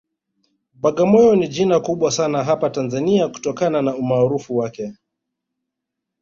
Bagamoyo ni jina kubwa sana hapa Tanzania kutokana na umaarufu wake